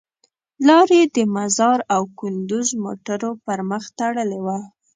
لار یې د مزار او کندوز موټرو پر مخ تړلې وه.